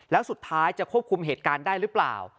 แล้วสุดท้ายจะควบคุมเหตุการณ์ได้หรือเปล่า